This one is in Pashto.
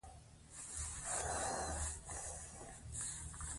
لوستې میندې د ماشوم لپاره روغ چاپېریال برابروي.